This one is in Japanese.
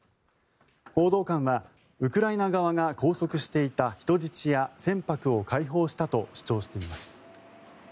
報道官はウクライナ側が拘束していた人質や船舶を解放したと主張しています。